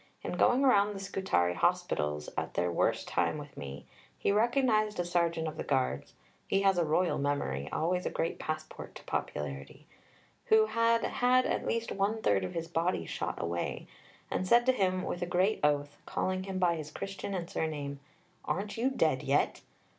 In going round the Scutari Hospitals at their worst time with me, he recognized a sergeant of the Guards (he has a royal memory, always a great passport to popularity) who had had at least one third of his body shot away, and said to him with a great oath, calling him by his Christian and surname, 'Aren't you dead yet?'